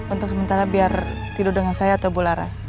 untuk sementara biar tidur dengan saya atau bu laras